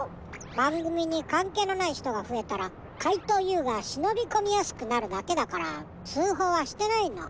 ばんぐみにかんけいのないひとがふえたらかいとうＵがしのびこみやすくなるだけだからつうほうはしてないの。